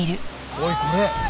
おいこれ！